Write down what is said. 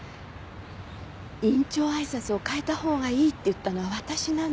院長挨拶を変えたほうがいいって言ったのは私なの。